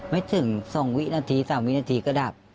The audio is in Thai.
ไม่ถึงสองวินาทีสามวินาทีก็ดับ